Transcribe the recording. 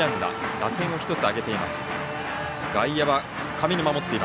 打点を１つ上げています。